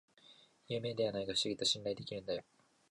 有名ではないが不思議と信頼できるんだよ